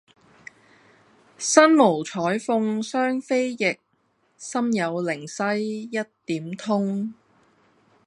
身無彩鳳雙飛翼，心有靈犀一點通。